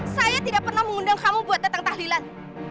saya tidak pernah mengundang kamu buat datang tahlilan